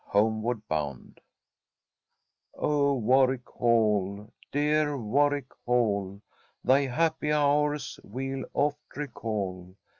HOMEWARD BOUND "O Warwick Hall, dear Warwick Hall, Thy happy hours we'll oft recall!